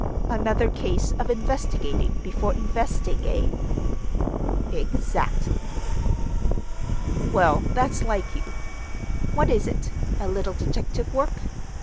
"Another case of investigating before investing, eh?" "Exactly." "Well, that's like you. What is it, a little detective work?